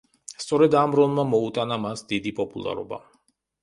სწორედ ამ როლმა მოუტანა მას დიდი პოპულარობა.